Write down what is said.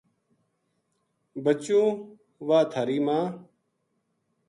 بچوں ! واہ تھاری ماں